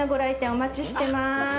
お待ちしてます。